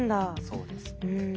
そうですね。